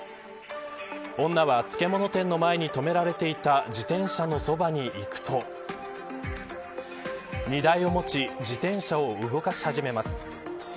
女は漬物店の前に止められていた自転車のそばに行くと荷台を持ち自転車を動かし始めます。